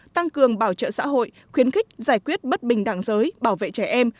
tăng cường bảo trợ xã hội khuyến khích giải quyết bất bình đẳng giới bảo vệ trẻ em